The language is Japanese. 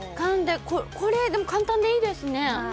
簡単でいいですね。